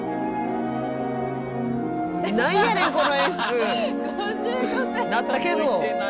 何やねんこの演出なったけど。